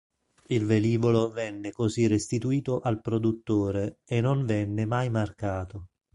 Il velivolo venne così restituito al produttore e non venne mai marcato.